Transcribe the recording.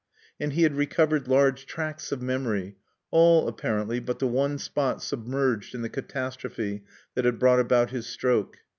And he had recovered large tracts of memory, all, apparently, but the one spot submerged in the catastrophe that had brought about his stroke.